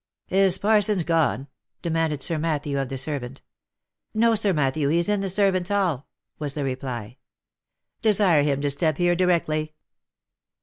" Is Parsons gone V 9 demanded Sir Matthew of the servant. " No, Sir Matthew, he is in the servants' hall," was the reply. " Desire him to step here directly."